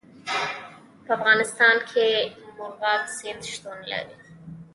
په افغانستان کې مورغاب سیند شتون لري.